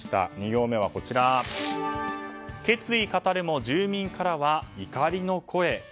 ２行目は決意語るも住民からは怒りの声。